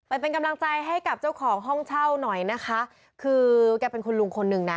ไปเป็นกำลังใจให้กับเจ้าของห้องเช่าหน่อยนะคะคือแกเป็นคุณลุงคนหนึ่งนะ